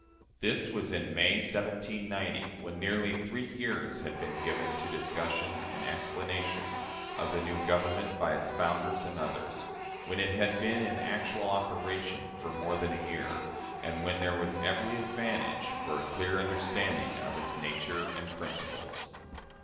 This was in May, 1790, when nearly three years had been given to discussion and explanation of the new Government by its founders and others, when it had been in actual operation for more than a year, and when there was every advantage for a clear understanding of its nature and principles.